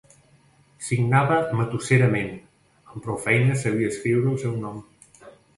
Signava matusserament, amb prou feines sabia escriure el seu nom.